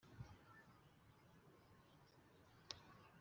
Ubukana bw’umwungu ntibwotsa urutaro.